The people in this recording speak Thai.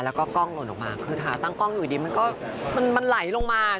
แล้วก็กล้องหล่นออกมาคือขาตั้งกล้องอยู่ดีมันก็มันไหลลงมา